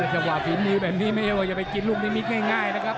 จังหวะฝีมือแบบนี้ไม่ใช่ว่าจะไปกินลูกนิมิตง่ายนะครับ